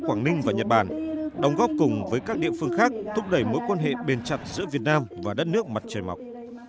quảng ninh và nhật bản đóng góp cùng với các địa phương khác thúc đẩy mối quan hệ bền chặt giữa việt nam và đất nước mặt trời mọc